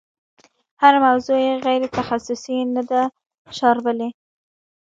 هره موضوع یې غیر تخصصي نه ده شاربلې.